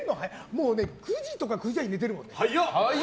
もう９時とか１０時に寝てるもんね。